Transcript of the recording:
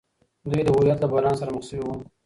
دوی د هويت له بحران سره مخ سوي وو.